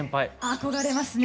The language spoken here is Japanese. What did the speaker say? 憧れますね。